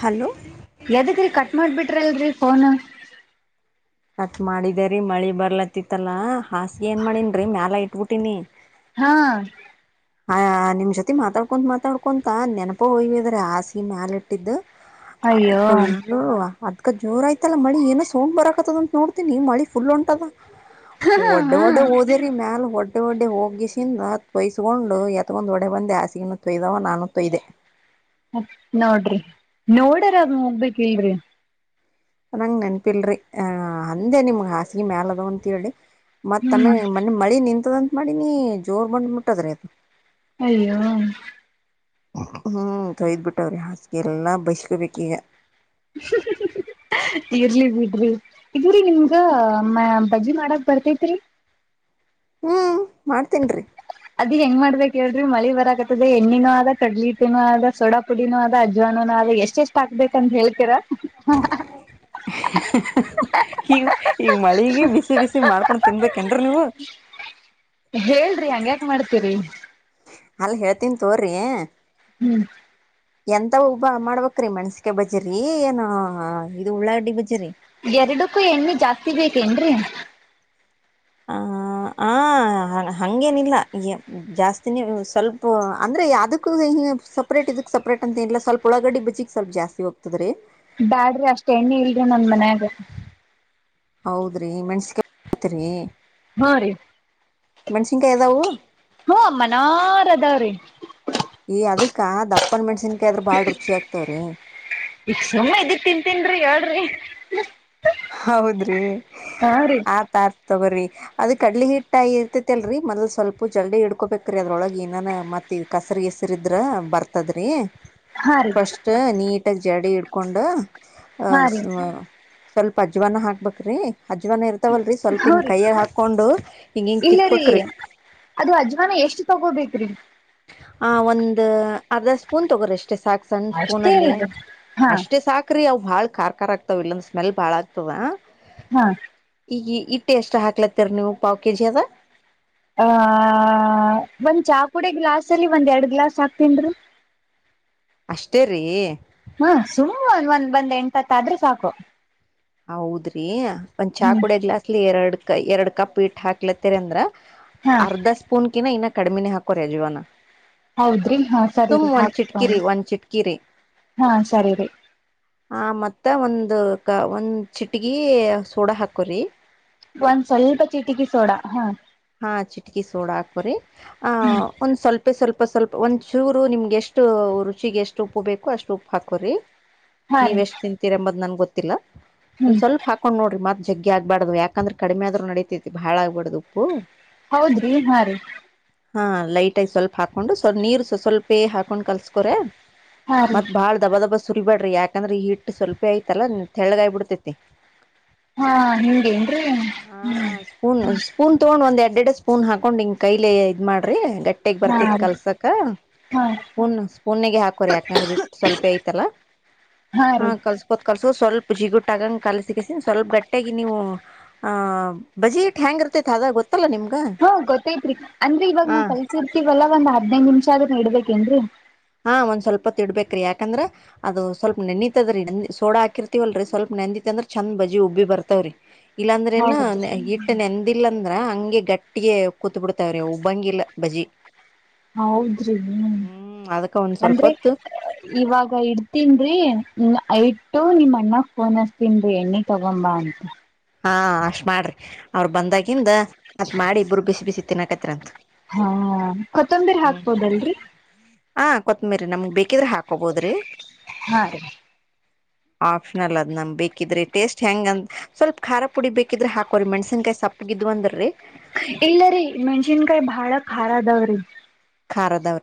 hello ಯದಕ್ಕ್ರೀ cut ಮಾಡಬಿಟ್ರಲ್ರರಿ phone cut ಮಾಡಿದರಿ ಮಳಿ ಬರ್ಲತಿತ್ತಲ್ಲಾ ಹಾಸಿ ಏನ್ ಮಾಡನ್ರಿ ಮ್ಯಾಲ ಇಟ್ಬಿಟಿನಿ ಹಾ ಆ ನಿಮ್ ಜೊತೆ ಮಾತಾಡ್ಕೊ ಮಾತಾಡ್ಕೊಂತ ನೆನಪ ಹಯ್ವಿದ್ರ ಆಸಿ ಮ್ಯಾಲ ಇಟ್ಟಿದ್ದ ಅಯ್ಯೋ [unintelligible] ಅದ್ ಜೋರ ಆಯತಲ್ಲ ಮಳ ಏನ ಸಂಡ್ ಬರತ್ತತದ ಅಂತ ನೋಡ್ತೀನಿ ಮಳೆ ಫುಲ್ಂಟದ ಹಾ ಒಡ್ಡ ಹಾ ಒಡ್ಡೆ ಹೋದಿರಿ ಮ್ಯಾಲ ಹೊಡ್ಡೆೆ ಒಡ್ಡೆೆ ಹೋಗಿಸಿಿಂದ ಹತ್ ಪಯಸ ತಗೊಂಡು ಯತ್ತಗೊ್ ಒಡೆ ಬಂದ ಹ ಆಾಸಗನ್ನು ತೊಯ್ದವ ನಾನು ತೊಯ್ದೆ ಮತ್ ನೋಡ್ರಿ ನೋಡ್ಯಾರ ಅದ ಮುಬೈಕ್ ಇಲ್ರಿ ನಂಗ್ ನೆನಪಿಲ್ರರಿ ಆಹ ಅಂದೆ ನಿಮ್ಗ್ ಹಾಸಗಿ ಮ್ಯಾಲ ಅದು ಅಂತೇಳಿ ಮತ್ತ ತಮ್ಮ ಹ್ಮ್ ಮ ಮಳಿ ನಿಂತದಂತತ್ ಮಾಡಿನಿ ಜೋರ್ ಬಂದ್ ಮುಟ್ಟದ್ರೀ ಆತ ಅಯ್ಯೋ ಹ್ಮ್ ತೊಯ್ದ್ ಬಿಟ್ಟವ್ರಿ ಹಾಸಿಗೆ ಎಲ್ಲ ಬಸ್ಕೊಬೇಕ ಈಗ ಇರ್ಲಿ ಬಿಡ್ರಿ ಇದ್ರಿ ನಿನ್ಗಮ್ಮ ಬಜ್ಜಿ ಮಾಡಕ್ ಬರ್ತೇತ್ರಿ ಹ್ಮ್ ಮಾಡ್ತೇನ ರಿ ಅದಿ ಹೆಂಗ ಮಾಡ್ಬೇಕ ಹೇಳ್ರಿ ಮಳಿ ಬರ ಆತದೆ ಎಣ್ಣೆಿನೂ ಅ ಕಡಲಿೀಟನನು ಆದ ಸೋಡಾ ಪುಡಿಿನೂ ಅ ಆದ ಅಜ್ವಾನೂ ಎಷ್ಟ ಎಷ್ಟು ಹಾಕ್ಬೇಕಂತ ಹೇಳ್ತೀರ ಈ ಈ ಮಳಿಗೆ ಬಿಸಿ ಬಿಸಿ ಮಾಡ್ಕೊಂಡ್ ತಿನ್ಬೇಕೇನ್ರ ನೀವು [inaudible] ಹೇಳ್ರಿ ಹಂಗ್ಯಾಕ ಮಾಡ್ತೀರಿ ಅಲ್ ಹೇಳ್ತನ್ ತೋರ್ರಿ ಹ್ಮ್ ಎಂತ ಉಬ್ಬ ಮಾಡ್ಬ್ರೀ ಮೆಸಿಕ ಬಜ್ರಿ ಏನ ಇದು ಉಳ್ಳಾಗಡ್ಡಿ ಬಜ್ರಿ ಎರಡಕ್ಕೂ ಎಣ್ಣೆ ಜಾಸ್ತಿ ಬೇಕೇನ್ರರಿ ಹ ಹಾ ಹ ಹಂಗೇನಿಲ್ಲ ಜಾಸ್ತಿನೇ ಸ್ವಲ್ಪ ಅಂದ್ರೆ ಅದಕ್ಕೂ ಈ ಸಪ್ರೇಟ್ ಇದಕ್ಕೆ ಸಪ್ರೇಟ್ ಅಂತೇಏಿಲ್ಲ ಸ್ಲ್ಪಳಗಡ್ಡಿಜಿಗೆ ಸ್ಲ್ಪ ಜಾಸ್ತಿ ಹೋಗ್ತದೆೀ ಬ್ಯಾಡ್ರಿ ಅಷ್ಟ ಎಣ್ಣಿ ಇಲ್ರಿ ನಂದ ಮನ್ಯಾಗ ಹೌದ್ರಿ ಮೆಣಸಕತ್ರಿ ಹ್ಮ ರರಿ ಅದಾವು ಹ್ಮ ಅಮ್ಮನಾರ ಅದಾವ್ರೀ ಈ ಅದಕ್ಕ ದಪ್ಪನ್ ಮೆಣಸಿನ್ಕಾಯ ಆದ್ರ ಬಾಳ್ ರುಚಿ ಆಗ್ತವ್ರೀ ಇಷ್ಟ ಸುಮ್ಮ ಇದಿ ತಿನ್ಂತೀನ್ಿ ಹೇಳ್ರಿ ಹೌದ್ರಿ ಹಾ ರೀ ಆತ ಆತ ತ ಬರ್ರಿ ಅದ್ ಕಡ್ಲಿ ಹಿಟ್ಟ ಆಿರ್ತತಿಲ್ರಿೀ ಮೊದಲ್ ಸ್ವಲ್ಪ ಜಲ್ದಡಿ ಇಡ್ಕೊಬೇಕಕ್್ರೀ ಅದ್ರೊಳಗೆ ಏನ ಮತ್ತತ್ ಕಸ ಹೆಸರು ಇದ್ರ ಬರ್ತದ್ರಿ ಹಾ ರೀ ಫಸ್ಟ್ ನೀಟಾಗಿ ಜಡಿ ಇಡ್ಕೊಂಡು ಅ ಹಾ ರೀ ಸ್ವಲ್ಪ ಅಜ್ವನ ಹಾಕ್ಬೇಕ್ರೀ ಅಜ್ವನ ಇರ್ತವಲ್ರರಿ ಸ್ವಲ್ಪ ಹೂ ಹಿಂಗ ರೀ ಕೈಯ್ಯ ಹಾಕೊಂಡು ಹಿಂಗ ಹಿಂಗ ಇಲ್ಲ ರೀ ತಿಕ್ಬಕ್್ರಿ ಅದು ಅಜ್ಮಾಾನ ಎಷ್ಟ್ ತಗೋಬೇಕ್ರಿ ಆ ಒಂದ ಅರ್ಧ ಸ್ಪೂನ್ ತಗೋರಷ್ಟ ಅಷ್ಟೇ ಸಾಕ್ ಸಣ್ಣ್ ಸ್ಪೂನ್ ಅಷ್ಟೇ ಅಲ್ಲಿ ಅಲ್ರಿ ಹಾ ಅಷ್ಟೇ ಸಾಕ್ರೀ ಭಾಳ ಖಾರ್ಖಾರ್ ಆಗ್ತವ ಇಲ್ಲಿಂದ ಸ್ಮೆಲ್ ಭಾಳ ಆಗ್ತದ ಹಾ ಈಗ ಇಟ್ಟು ಎಷ್ಟ ಹಾಕ್ಲತ್ತೀರ ನೀವು ಪಾವ್ ಕೆಜಿ ಅದ ಆ ಒಂದ್ ಚಾಪುಡೆ ಗ್ಲಾಸ್ ಅಲ್ಲಿ ಒಂದ್ ಎರಡ್ ಗ್ಲಾಸ್ ಹಾಕ್ತನ್ರಿ ಅಷ್ಟೇ ರೀ ಹ್ಮ ಸುಮ ಒಂದ ಒಂದ್ ಬಂದ್ ಎಂಟತ್ತ ಆದ್ರೂ ಸಾಕು ಹೌದ್ರಿ ಒಂದ್ ಚಾ ಹ್ಮ್ ಕುಡೆ ಗ್ಲಾಸ್ಲಿ ಎರಡ್ ಕ ಎರಡ್ ಕಪ್ ಇಟ್ಟ ಹಾಕ್ಲತ್ತರಿ ಅಂದ್ರ ಹಾ ಅರ್ಧ ಸ್ಪೂನ್ಕಿಿನ ಇನ್ನ ಕಡಿಮಿನ ಹಾಕೋ ಯಜವಾನ ಹೌದ್ರಿ ಹಾ ಸರಿರಿ ಹಾಕ್ತಿ ಒಂದ್ ಚಿಟ್ಕಿರಿ ಹಾ ಸರಿ ರರಿ ಹ ಮತ್ತ ಒಂದ ಒಂದ್ ಚಿಟಗಿ ಸೋಡ ಹಾಕ್ರಿ ಒಂದ್ ಸ್ವಲ್ಪ ಚಿಟಕಿ ಸೋಡಾ ಹಾ ಹ ಚಿಟಕಿ ಸೋಡಾ ಹಾಕೋರಿ ಆ ಒಂದ್ ಸ್ವಲ್ಪ ಉಪ್ಪ ಸ್ವಲ್ಪ ಸ್ವಲ್ಪ ಒಂದ್ ಚೂರು ನಿಮ್ಗೆ ಎಷ್ಟು ರುಚಿಗೆ ಎಷ್ಟು ಉಪ್ಪು ಬೇಕು ಅಷ್ಟು ಉಪ್ಪು ಹಾಕೋ್ರಿ ಹಾ ರೀ ನೀವ್ ಎಷ್ಟ್ ತಿಂತೀರಿ ಎಂಬದ್ ನನ್ ಗೊತ್ತಿಲ್ಲ ಒಂದ್ ಹ್ಮ್ ಸ್ವಲ್ಪ ಹಾಕೊಂಡ್ ನೋಡ್ರಿ ಮತ್ ಜಗ್ಗಿ ಆಗ್ಬಾರ್ದ ಯಾಕಂದ್ರ ಕಡಿಮೆ ಆದ್ರರು ನಡಿತತೈತಿ ಬಾಳ ಆಗ್ಬಾರ್ದ ಉಪ್ಪು ಹೌದ್ರಿ ಹಾ ರೀ ಹಾ ಲೈಟ್ ಆಗ ಸ್ವಲ್ಪ ಹಾಕೊಂಡು ಸ್ ನೀರ್ ಸ್ವಲ್ಪೇ ಹಾಕೊಂಡ್ ಕಲ್ಸ್ಕೋ್ರ ಹಾ ರೀ ಮತ್ತತ್ ಬಾಳ ದಬಾ ದಬಾ ಸುಲ್ ಬಿೇಡ್ರಿ ಯಾಕಂದ್ರೆ ಹಿಟ್ಟ ಸ್ವಲ್ಪೇ ಐತಲ್ಲ ತೆಳ್ಗಾಯಬ ಬಿಡ್ತೇತಿ ಹಾ ಹಿಂಗೇನ್ರಿ ಹಾ ಸ್ಪೂನ್ ಸ್ಪೂನ್ ತೊಂಡ ಒಂದ ಅಡ್ ದಡ್ಡ ಸ್ಪೂನ್ ಹಾಕೊಂಡ್ ಹಿಂಗ್ ಕೈಲೆ ಇದ್ ಮಾಡ್ರಿ ಗಟ್ಟಿಗ್ ಹಾ ಬರ್ತೈತ್ ರೀ ಕಲ್ಸಕ ಹಾ ಸ್ಪೂನ್ ಸ್ಪೂನ್ಿಗೆ ಹಾಕೋರಿಿ ಯಾಕಂದ್ರೆ ಇ ಸ್ವಲ್ಪ ಐತಲ್ಲ ಹಾ ಕಲ್ಸ್ಕೋತ್ ಕಲ್ಸಕೋ್ ಸ್ವಲ್ಪ ಜಿಗುಟ್ಟಾಗಂಗ ಕಾಲ ಸಿಗಸ ಸ್ವಲ್ಪ ಗಟ್ಟಾಗಿ ನೀವು ಆ್ ಬಜೆಟ್ ಹ್ಯಾಂಗ್ ಇರ್ತೈ ಆದಾಗ ಗೊತ್ತ ಹ ಗೊತ್ತೈತ್ರಿ ಅಂದ್ರಿ ಇವಾಗ ಹ ನಾವ್ ಕಲ್ಸಿರ್ತಿೀವಲ್ಲಾ ಒಂದ್ ಹದ್ನೈ್ ನಿಮಿಷ ಆದ್ರೂ ಇಡ್ಬೇಕೇನ್ರಿ ಹಾ ಒಂದ್ ಸ್ವಲ್ಪ ತಿಡ್ಬೇಕ್ರಿ ಯಾಕಂದ್ರ ಅದು ಸ್ವಲ್ಪ ನೆನೆತತಿ ರೀ ನ ಸೋಡ ಹಾಕಿರ್ತಿವಲ್ರಿ ಸ್ವಲ್ಪ ನೆಂದ ಚಂದ ಬಜಿ ಉಬ್ಬಿ ಬರ್ತವ್ರಿ ಇಲ್ಲಾಂದ್ರೆ ಏ ಹೌದ್ರಿ ಹಿಟ್ಟ ನೆಂದಿಿಲ್ಲ ಅಂದ್ರಂಗ ಗೆ ಗಟ್ಟಿಗೆ ಕೂತ್ ಬಿಡ್ತವ್ರಿ ಉಬ್ಬಂಗಿಿಲ್ಲ ಬಜಿ ಹೌದ್ರಿ ಹೂ ಹ್ಮ್ ಅದಕ್ಕ ಒಂದ್ ಸ್ವಲ್ಪ ಅಂದ್ರೆ ಹೊತ್ತು ಇವಾಗ ಇಡ್ತೀನ್ಿ ಹೂ ನೈಟ್ ದು ನಿಮ್ಮ ಅಣ್ಣ ಫೋನ್ಸ್ತನ್ೀ ಎಣ್ಣೆ ತಗೊಂಬ ಅಂತ ಹಾ ಅಷ್ಟ ಮಾಡ್ರಿ ಅವ್ರರು ಬಂದಾಗಿಂದ ಅತ್ ಮಾಡಿ ಇಬ್ಬರು ಬಿಸಿ ಬಿಸಿ ತಿನ್ನಕತ್ರಿ ಅಂತ ಹಾ ಕೊತ್ತಂಬಿರಿ ಹಾಕ್ಬೋದಲ್ರರಿ ಹಾ ಕೊತ್ಮಿ್ರರಿ ನಮ್ಗ್ ಬೇಕಿದ್ರೆ ಹಾಕೊಬೋದ್ರಿ ಹಾ ರೀ ಆಪ್ಷನಲ್ ಅದ್ ನಮ್ ಬೇಕಿದ್ರೆ ಟೇಸ್ಟ್ ಹೆಂಗಂತ ಸ್ವಲ್ಪ ಖಾರ ಪುಡಿ ಬೇಕಿದ್ರೆ ಹಾಕೋ್ರ ಮೆಣಸನ್ಾಯಿ ಸಪದವಾದ್ರೆ ಇಲ್ಲರಿ ಮೆಣಸಿನ್ಕಾಯಿ ಬಾಳ ಖಾರ ಅದಾವ್ರಿ ಖಾರ ಆದವರಿ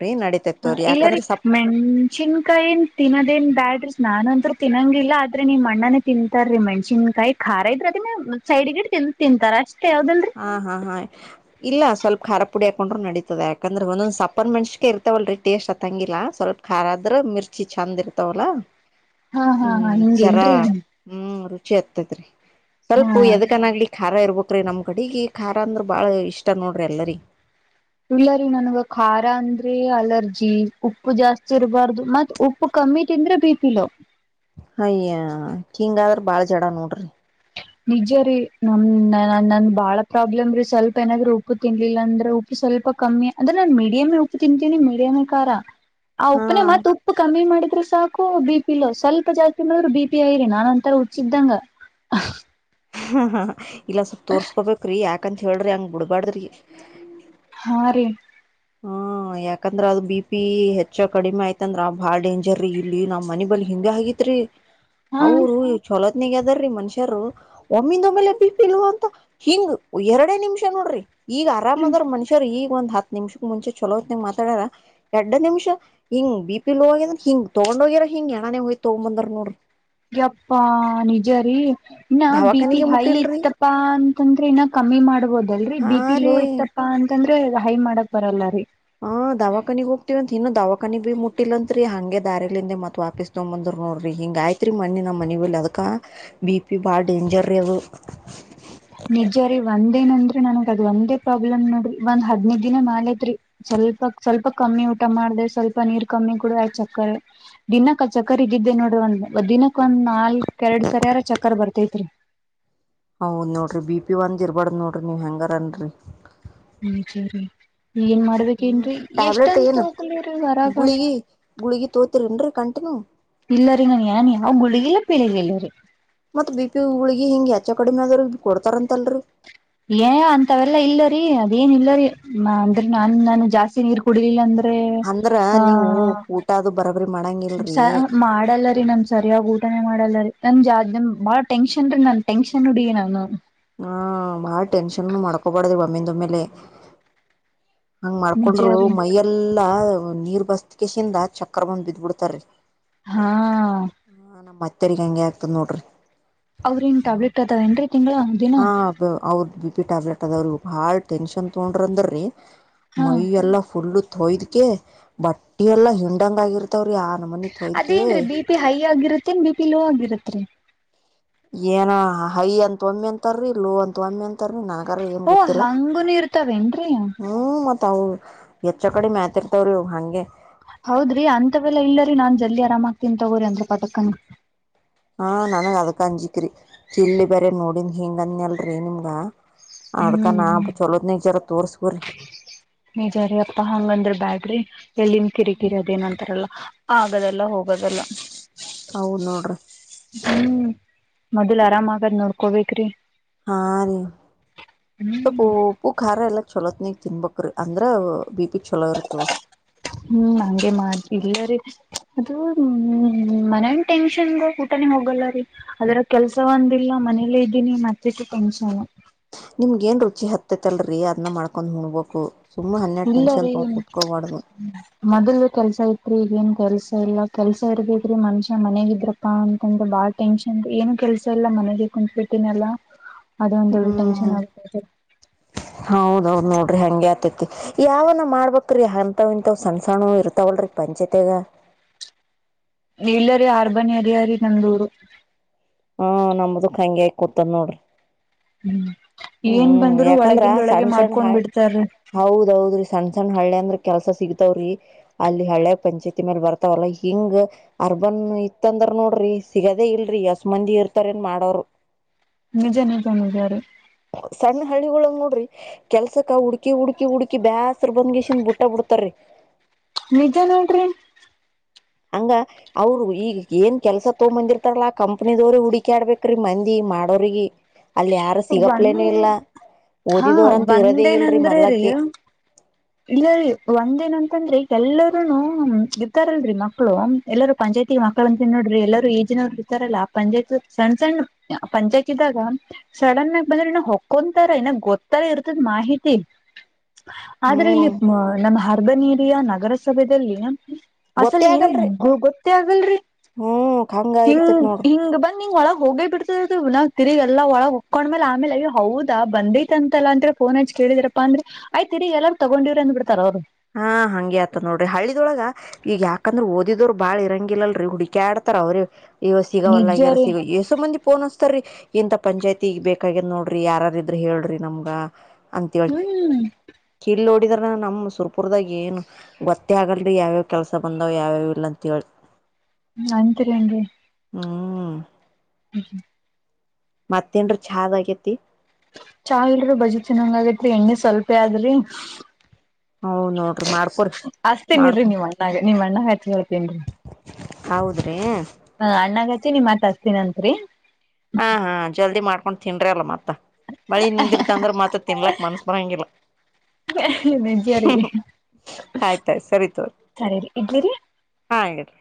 ಹ ಇಲ್ಲರೀ ಮೆಣಸಿನ್ಕಾಯಿ ಏನ್ ತಿನ್ನೋದೇನ್ ಬ್ಯಾಡ್ರಿ ನಾನಂದ ತಿನ್ನಂಗಿಲ್ಲ ಆದ್ರೆ ನೀವು ಅಣ್ಣನೇ ತಿಂತಾರೀ ಮಣಸಿನ್ಕಾಯಿ ಖಾರ ಇದ್ರೆ ಅದನ್ನ ಸೈಡ್ಗಿ ತಿಂತಾರ ಅಷ್ಟ ಹಾ ಹಾ ಹಾ ಇಲ್ಲ ಸ್ವಲ್ಪ ಖಾರದ ಪುಡಿ ಹಾಕೊಂಡ್ರರು ನಡಿತಾ ಯಾಕಂದ್ರೆ ಒಂದೊಂದ ಸಪ್ಪನ್ ಮನ್ಷಿಕೆ ಇರ್ತವಲ್ರರಿ ಟೇಸ್ಟ್ ಅತ್ತಂಗಿಲ್ಲ ಸ್ವಲ್ಪ ಖಾರ ಆದ್ರ ಮಿರ್ಚಿ ಚೆಂದ ಇರ್ತಾವಲ್ಲ ಹಾ ಹಾ ಹೂ ಹಾ ಚರಾ ಹಿಂಗೇನ್ರಿ ಹೂ ಿ ಆಗ್ತತ್ ರೀ ಹಾ ಸ್ವಲ್ಪ ಎದಗನಾಗ್ಲಿ ಖಾರ ಇರ್ಬೇಕಕ್್ರೀ ನಮ ಕಡೆಿಗೆ ಖಾರ ಅಂದ್ರ ಬಾಳ ಇಷ್ಟ ನೋಡ್ರಿ ಎಲ್ಲರಿ ಇಲ್ಲಾರಿೀ ನನ್ಗ ಖಾರ ಅಂದ್ರೆ ಅಲರ್ಜಿ ಉಪ್ಪು ಜಾಸ್ತಿ ಇರಬಾರ್ದು ಮತ್ತ್ ಉು ಕಮ್ಮಿ ತಿಂದ್ರೆ ಬಿಪಿ ಲೋ ಅಯ್ಯ ಹಿಂಗಾದ್ರ ಬಾಳ ಜಡ ನೋಡ್ರಿ ನಿಜ ರೀ ನಮ್ ನಂದ ಬಾಳ ಪ್ರಾಬ್ಲಮ್ ರೀ ಸ್ವಲ್ಪ ಏನಾದ್ರೂ ಉಪ್ಪು ತಿನ್ಲಿಲ್ಲ ಅಂದ್ರೆ ಉಪ್ಪ ಸ್ವಲ್ಪ ಕಮ್ಮಿ ಅಂದ್ರೆ ನಾನ್ ಮೀಡಿಯಮೇ ಉಪ್ಪು ತಿಂತೀನಿ ಮೀಡಿಯಮೇ ಖಾರ ಆ ಹಾ ಉಪ್ಪನೆ ಮತ್ ಉಪ್ಪು ಕಮ್ಮಿ ಮಾಡಿದ ಸಾಕು ಬಿ ಪಿಲೋ ಸ್ವಲ್ಪ ಜಾಸ್ತಿ ಮಾಡದ್ರರು ಬಿ ಪಿ ಆಐರಿ ನಾನನ್ ಒಂತರ ಹುಚ್ಚಿದಂಗ ಹ ಹಾ ಇಲ್ಲ ಸ್ವಲ್ಪ ತೋರ್ಸ್ಕೊಬೇಕ್ರಿ ಯಾಕಂತ ಹೇಳ್ರಿ ಹಂಗ್ ಬಿಡ್ಬಾಡ್ದ್ರಿ ಹಾ ರೀ ಹೂ ಯಾಕಂದ್ರ ಅದು ಬಿ ಪಿ ಹೆಚ್ಚ ಕಡಿಮೆ ಆಯ್ತಂದ್ರ ಬಾಳ ಡೇಂಜರ ಇಲ್ಲಿ ನಾವ್ ಮನಿ ಬಳಿ ಹಿಂಗ ಆಗೇತ್ರಿ ಹಾ ಅವರು ಚಲೋ ಈಗ ಅದರೀ ಮನುಷ್ಯರು ಒಮ್ಮಿಂದ ಒಮ್ಮೇಲೆ ಬಿಪಿ ಲೋ ಅಂತ ಹಿಂಗ ಎರಡೇ ನಿಮಿಷ ನೋಡ್ರಿ ಈಗ ಆರಾಮದ್ರ ಮನುಷ್ಯರು ಈಗ ಒಂದ್ ಹತ್ ನಿಮಿಷ ಮುಂಚೆ ಚಲೋತ್ತ ಮಾತಾಡಾರ ಎರಡ್ ನಿಮಿಷ ಹಿಂಗ್ ಬಿ ಪಿ ಲೋ ಆಗ್ರ ಹಿಂಗ್ ತಗೊಂಡ ಹೋಗಿರ ಹಿಂಗ ಯಣನೆ ಹಯ್ ತಗೊ ಬಂದ ನೋಡರಿ ಎಪ್ಪಾ ನಿಜ ರೀ ಇನ್ನ ಬಿ ಪಿ ದವಾಖಾನಿಗೆ ಹೈ ಮುಟ್ಟಿಲ್ರಿ ಇತ್ತಪಾ ಅಂತಂದ್ರೆ ಇನ್ನ ಕಮ್ಮಿ ಮಾಡ್ಬೋದಲ್ರರಿ ಹಾ ಬಿ ಪಿ ಲೋ ರೀ ಇತ್ತಪಾ ಅಂತಂದ್ರ ಹೈ ಮಾಡಕ್ ಬರಲ್ಲ ರೀ ಹ ದವಾಖಾನಿಗ್ ಹೋಗ್ತಿೀವಂತ ಇನ್ನು ದವಾಖಾನಿ ಬಿೀ ಮುಟ್ಟಿಿಲ್ಲಂತ್ರಿ ಹಂಗೆ ದಾರಿಲಿಂದ ಮತ್ತತ್ ವಾಪಿಸಸ್ ತೊಂಬಂದ ನೋಡ್ರಿ ಹಿಂಗೆ ಆಯ್ತ್ರಿ ಮ್ಣಿ ನಮ್ಮ ಮನೆ ಅದಕ್ಕ ಬಿ ಪಿ ಬಾಳ ಡೇಂಜರ್ ಅದು ನಿಜಾರಿೀ ಒಂದೇನಂದ್ರಿ ನನಗ್ ಅದ್ ಒಂದೇ ಪ್ರಾಬ್ಲಮ್ ನೋಡ್ರಿ ಒಂದ್ ಹದ್ದ್ ದಿನ ಮಾಲತ್ಲ್ಪ ಸ್ವಲ್ಪ ಸ್ವಲ್ಪ ಕಮ್ಮಿ ಊಟ ಮಾಡ ಸ್ವಲ್ಪ ನೀರ್ ಕಮ್ಮಿ ಕಡ ಆ ಚಕ್ಕರೆ ದಿನಕ್ಕೆ ಚಕ್ಕರ್ ಇದಿದ್ದೇ ನೋಡ್ರಿ ಒಂದ್ ಒ್ ದಿನಕ್ಕೆ ಒಂದ್ ನಾಲ್ಕ ಎರಡ್ ಸರಿಯಾರ ಚಕರ್ ಬರ್ತೈತ್ರಿ ಹೌದ್ ನೋಡ್ರಿ ಬಿ ಪಿ ಒಂದ್ ಇರ್ಬಾರಡ್ದ್ ನೋಡ್ರಿ ನೀವ್ ಹೆಂಗರನ್ರಿ ಹೂ ಸರಿ ಏನ್ ಹ್ಮ್ ಮಾಡ್ಬೇಕೇನ ಟ್ಯಾಬ್ಲೆಟ್ ಎಷ್ಟಂತ ಏನು ಹೋಗಲರೀ ವರಾಗ ತೋತರಿನ್ರಿ ಕಂಟನು ಇಲ್ಲರಿಂಗ ಏನ್ ಯಾವ ಗುಳಿಗಿಲ್ಲ ಪೀಳಿಗ್ ಇಿಲ್ಲರಿ ಮತ್ತತ್ ಬಿ ಪಿ ಹಳಿ ಹಿಂಗಗೆ ಯಚ್ಚಾ ಕಡಿಮೆ ಆದ್ರ ಕೊಡ್ತಾರಂತಲ್ರರಿ ಏ ಅಂತವೆಲ್ಲಾ ಇಲ್ಲರಿ ಅದೇನ ಇಲ್ಲರಿ ಅಂದ್ರೆ ನಾನ್ ನಾನು ಜಾಸ್ತಿ ನೀರ್ ಕುಡಿಲಿಲ್ಲ ಅಂದ ಅಂದ್ರ ನೀವು ಊಟ ಅ ಬರಬರಿ ಮಾಡ ಸ ಮಾಡಲ್ಲ ನಮ ಸರಿಯಾಗಿ ಊಟನೇ ಮಾಡಲ್ಲರಿ ನನ್ ಜ ಬಾಳ ಟೆನ್ಷನ್ ರೀ ನನ್ ಟೆನ್ಷನ್ ನಡಿ ನಾನು ಹಾ ಬಾಳ ಟೆನ್ಷನ್ ಮಾಡ್ಕೋಬಾರ್ದ ಬಮ್ಮಿಿಂದ ಮೇಲೆ ಹಂಗ್ ನಿಜ ಮಾಡ್ಕೊಂಡರು ರೀ ಮೈಯಲ್ಲಾ ನೀರ್ ಬಸ್ಕಸಿಂದ ಚಕ್ರ ಬಂದ್ ಬಿದ್ಬಿಡ್ತಾರಿ ಹಾ ತೆರ್ಗಿ ಹಂಗೆ ಆಗ್ತದೆ ನೋಡ್ರಿ ಅವ್ರನ್ ಟ್ಯಾಬ್ಲೆಟ್ ಅದಾವ ಏನ್ರರಿ ತಿಂಗಗಳ ಹಂಗ್ದಿನ ಹ ಅವ್ರ ಬಿ ಟ್ಯಾಬ್ಲೆಟ್ ಅದ ಬಾಳ ಟೆನ್ಷನ್ ತಗೊಂಡ್ರ ಅಂದ್ರೀ ಹಾ ಮೈ ಎಲ್ಲಾ ಫುಲ್ ತೋಯ್ದ್ಕ ಬಟ್ಟೆ ಎಲ್ಲಾ ಹಿಂಡಂಗ ಆಗಿರ್ತಾವ್ರಿ ಆ ನ ಮನಿ ಹೋಯ್ದಕ ಮೇನ್ ಬಿ ಪಿ ಲೋ ಆಗಿರತ್ರಿ ಏನ ಹೈ ಅಂತ ಒಮ್ಮಿ ಅಂತಾರೀ ಲೋ ಅಂತ ಒಮ್ಮಿ ಅಂತ ನಗ ಏನ್ ಓ ಗೊತ್ತಿಲ್ಲ ಹಂಗುನು ಇರ್ತಾವೇನ್ರೀ ಹ್ಮ ಮತ್ತ ತಾವು ಹೆಚ್ಚ ಕಡೆ ಮ್ಯಾತೆರ್ತಾವ್ರಿ ಹಂಗೆ ಹೌದ್ರಿ ಅಂತವೆಲ್ಲಾ ಇಲ್ಲರರಿ ನಾನ್ ಜಲ್ದಿ ಆರಾಮ ಆಗ್ನಿ ತಗೋ್ರಿ ಅಂದ ಪದಕನ ಹಾ ನನ್ಗ ಅದಕ್ ಅಂಜಿಿಕ್ರಿ ಇಲ್ಲಿ ಬೇರೆ ನೋಡನ್ ಹಿಂಗಂದಯಲ್ರಿ ನಿಮ್ಗ ಹ್ಮ್ ಅದ್ಕ ನಾ ಹ್ಮ್ ಚೊಲೋದನಗ್ ಜರ ತೋರ್ಸ್ಬು್ರ ನಿಜಾರಿ ಅಪ್ಪಾ ಹಂಗಂದ್ರ ಬ್ಯಾಡ್ರಿ ಎಲ್ಲಿನ್ ಕಿರಿಕಿರಿ ಅದ ಏನಂತಾರಲ್ಲ ಆಗದಲ್ಲ ಹೋಗದಲ್ಲ ಹೌದ ನೋಡ್ರಿ ಹ್ಮ್ ಮೊದ್ಲ್ ಆರಾಮ್ ಆಗದ್ ನೋಡ್ಕೋಬೇಕ್ರಿ ಹಾ ರೀ ಸ್ಲ್ಪು ಹ್ಮ್ ಉಪ್ಪುಖಾರ ಎಲ್ಲ [inaudible] [inaudible] [unintelligible] ಚಛಲೋತ್ನಿಗೆ ತಿನ್ಬೇಕ್ರೀ ಅಂದ್ರೆ ಬಿ ಪಿ ಚಛಲೋ ಇರ್ತದ ಹ್ಮ್ ಹಗೆ ಮಾಡ ಇಲ್ಲರಿೀ ಅದು ಹ್ಮ ಮನನ್ ಟೆನ್ಷನ್ ಊಟ ಹೋಗಲ್ಲ ರೀ ಅದ್ರ ಕೆಲ್ಸ ಒಂದಿಲ್ಲ ಮನೇಲ್ಲೇ ಇದ್ದೀನಿ ಮತ್ತ ಟೆನ್ಶನ್ ನಿಮ್ಗ ಏನ್ ರುಚಿ ಹತ್ತೈತ್ಲ್ರರಿ ಅದನ್ನ ಮಾಡ್ಕೊಂಡ್ ಹುಣಬಬೇಕು ಇಲ್ಲರೀ ಮೊದಲ್ ಕೆಲ್ಸ ತ್ರಿ ಈಗ ಏನ್ ಕೆಲ್ಸ ಇಲ್ಲ ಕೆಲ್ಸ ಇರ್ದಿದ್ರೀ ಮನುಷ್ಯ ಮನೆಗಿದ್ರಪ್ಪಾ ಅಂತಂದ್ರ ಬಾಳ ಟೆನ್ಷನ್ ಏನು ಕೆಲ್ಸ ಇಲ್ಲ ಮನೆಗೆ [inaudible] ಅದ ಒಂದ ದೊ ಟೆನ್ಷನ್ ಹ್ಮ್ ಆಗ್ ಹೌದೌದು ನೋಡ್ರಿ ಹಂಗಗೆ ಆತೈತಿ ಯಾವ ನ ಮಾಡ್ಬ ಅಂತಾವ್ ಇಂತವ್ ಸಣ್ಣಸಣ ಇದ್ದವಲ್ಲ ಪಂಚಾಯತ್ರಿಯ ಇಲ್ಲರಿೀ ಆರ್ಬನ್ ಏರಿಯ ರೀ ನಂದೂರು ಹ ನಮದಕ್ ಹಂಗೆ ಆಕೂತನ್ ನೋಡ್ರಿ ಹ್ಮ್ ಏನ್ ಹ್ಮ್ ಬಂದ್ರು ಯಾಕಂದ್ರ ಒಳಗಿಂದ ಒಳಗೆ ಸಣ್ಣ ಸಣ್ಣ ಹ ಮಾಡ್ಕೊಂಡ್ ಬಿಡ್ತಾರೀ ಹೌದೌದ್ರಿ ಸಣ್ಣ ಸಣ್ಣ ಹಳ್ಳಿ ಅಂದ್ರ ಕೆಲ್ಸ ಸಿಗತಾವ್ರಿ ಅಲ್ಲಿ ಹಳೆ ಪಂಚಾಯತಿ ಮೇಲ್ ಬರ್ತಾವಲ್ಲ ಹಿಂಗ್ ಅರ್ಬನ್ ಇತ್ತಂದ ನೋಡ್ರಿ ಸಿಗದೇ ಇಲ್ರರಿ ಯಸ ಮಂದಿ ಇರ್ತಾರ ಏನ್ ಮಾಡೋರು ನಿಜ ನಿಜ ನಿಜಾರಿ ಸಣ್ಣ ಹಳ್ಳಿಗಳ ನೋಡ್ರಿ ಕೆಲ್ಸಕ್ಕ ಹುಡ್ಕಿ ಹುಡ್ಕಿ ಹುಡುಕಿ ಬ್ಯಾಸರು ಬಂದ್ಗಸನ್ ಬುಟ್ಟ ಬಿಡ್ತ ಪತ್ತ ನಿಜ ನೋಡ್ರಿ ಹಂಗ ಅವರು ಈಗ ಏನ್ ಕೆಲ್ಸ ತಗೊಂಬಂದಿರ್ತಾರಲ್ಲಾ ಕಂಪ್ನ ದವ್ರ ಹುಡಕ ಆಡ್ಬೇಕ್ರೀ ಮಂದಿ ಮಾಡೋರಿಗೆ ಅಲ್ಲಿ ಯಾರು ಒಂದ್ ಸಿಗಪ್ಲೇನ ಇಲ್ಲ ಹಾ ಓದಿದವರಂತೂ ಇರೋದೇ ಇಲ್ರಿ ಮೊದ್ಲಕ್ಕ ಇಲ್ಲೀ ಒಂದ ಏನಂತಂದ್ರಿ ಎಲ್ಲರೂನು್ ಇರ್ತಾರಲ್ರರಿ ಮಕ್ಕಳು ಎಲ್ಲರೂ ಪಂಚಾಯತಿ ಮಕ್ಕಳ ಅಂತ ನೋಡ್ರಿ ಎಲ್ಲರೂ ಈಜಿನವ್ರು ಇರ್ತಾರಲ್ಲ ಆ ಪಂಚಾಯತ್ ಸಣ್ಣ ಸಣ್ಣ ಪಂಚಾಯತ್ ಇದ್ದಾಗ ಸಡನ್ ಆಗಿ ಬಂದ್ರೆ ಇ ಹೊಕೊಂತಾರ ಇನ್ನಾಗ ಗೊತ್ತಲ್ಲ ಇರ್ತದ ಮಾಹಿತಿ ಆದ್ರೆ ಇಲ್ಲಿ ಹ್ಮ್ ನಮ್ಮ ಹರ್ಬನೇರಿಯ ನಗರಸಭೆೆಯಲ್ಲಿ ನ ಗೊತ್ತೇ ಅಸಲ್ ಇರ ಆಗಲ್ರಿ ಗೊತ್ತೇ ಆಗಲ್ರಿ ಹ್ಮ್ ಹಂಗ ಹಿಂಗ್ ಇರ್ತತ್ ನೋಡ್ರಿ ಹಿಂಗ್ ಬಂದ್ ನಿ್ ಒಳಗ್ ಹೋಗೇ ಬಿಡ್ತರ್ವ ನ ತಿರ್ಗ್ ಎಲ್ಲಾ ಒಳಗ ಆಮೇಲೆಯ ಹೌದಾ ಬಂದೈತ ಅಂತಲ್ಲ ಅಂದ್ರ ಫೋನ್ ಹಚ್ ಕೇಳಿದರಪ್ಪ ಅಂದ್ರೆ ಆಯ್ತ ತಿರಿಗ ಎಲ್ಲಾರರು ತಗೊಂಡಿರ ಬಂದು ಬಿಡ್ತಾರ ಅವರು ಹಾ ಹಂಗಗೆ ಆತ ನೋಡ್ರಿ ಹಳ್ಳಿದೊಳ ಈಗ ಯಾಕಂದ್ರ ಓದಿದರು ಬಾಳ್ ಇರಂಗಿಲ್ಲಲ್ರಿ ಹುಡಕ ಆಡತ ಅವ್ರ ಇವ ನಿಜ ಸಿಗವಲ್ಲಗ್ಯಾರ ರೀ ಸಿಗ ಎಷ್ಟ ಮಂದಿ ಪೋನ್ ತರಿ ಇಂತ ಪಂಚಾಯಿತಿ ಬೇಕಾಗದ ನೋಡ್ರಿ ಯಾರಾರ ಇದ್ರ ಹೇಳ್ರಿ ನಮ್ಗ ಅಂತ ಹೇಳ ಹ್ಮ್ ಕಿಲ್ ನೋಡಿದ್ರ ನಮ್ಮ್ ಸುರ್ಪ ಪುರ್ದಾಗ ಏನು ಗೊತ್ತೆ ಆಗಲ್ರಿ ಯಾವ್ಯಾವ್ ಕೆಲಸ ಬಂದಾವ್ ಯಾವ್ಯಾವ ಇಲ್ಲ ಅಂತ ಹೇಳೇಳಿ ಅಂತರಿಂಗೆ ಹ್ಮ್ ಹ್ಮ ಮತ್ತೇನ್ರ ಚಹಾ ಆಗೇತಿ ಚಾ ಇಲ್ರರಿ ಬಜಿ ತಿನ್ನಂಗ ಆಗೇತ್ರಿ ಎಣ್ಣೆ ಸ್ವಲ್ಪೇ ಆದ್ರಿ ಹ ನೋಡ್ರಿ ಮಾಡ್ಕೊರಿ ಅಸ್ತೀನಿನ್ರಿ ಮಾಡ್ಕೊ ನೀವ್ ಅಣ್ಣಾಗ ನಿವ್ ಅಣ್ಣಾಗ ಹಚ್ಚ ಕೇಳ್ತೀನ್ರಿ ಹೌದ್ರಿ ಹ ಅಣ್ಣಗಚಿ ನಿಮ ಮತ್ ಹಸ್ತಿನಂತ್ರಿ ಹ ಹಾ ಜಲ್ದಿ ಮಾಡ್ಕೊಂಡ್ ತಿಂದ್ರಿ ಅಲ್ಲ ಮತ್ತ ಮತ್ತ ಮಳಿ ನಿಂದಿರ್ತ ಅಂದ್ರ ಮತ್ರ ತಿನ್ಲಕ್ ಮನ್ಸ್ ಬರಂಗಿಲ್ಲ ಜ ರೀ ಆಯ್ತಾಯ್ತು ಸರಿ ತೋರಿ ಸರಿ ಇಡ್ಲಿ ಹಾ ಇಡೀ